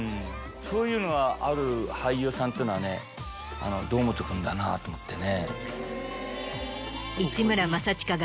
そういうのがある俳優さんっていうのはね堂本君だなと思ってね。